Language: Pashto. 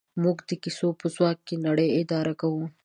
موږ د کیسو په ځواک نړۍ اداره کوو.